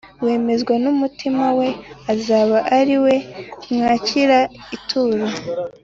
wemezwa n umutima we azaba ari we mwakira ituro